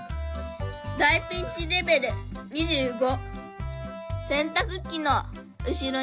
大ピンチレベル２５。